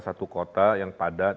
satu kota yang padat